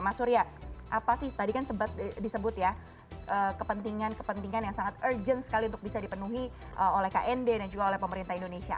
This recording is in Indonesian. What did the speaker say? mas surya apa sih tadi kan sempat disebut ya kepentingan kepentingan yang sangat urgent sekali untuk bisa dipenuhi oleh knd dan juga oleh pemerintah indonesia